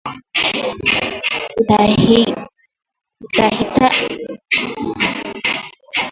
utahiji Maji ya uvuguvugu ya kutosha